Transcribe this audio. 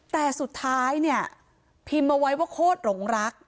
แต่สุดท้ายเนี่ยพิมพ์เอาไว้ว่าโคตรหลงรัก